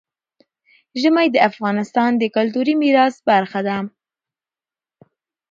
ژمی د افغانستان د کلتوري میراث برخه ده.